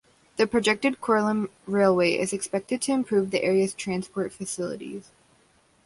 The projected Koralm Railway is expected to improve the area's transport facilities.